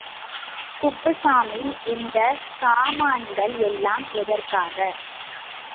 குப்புசாமி, இந்தச் சாமான்கள் எல்லாம் எதற்காக?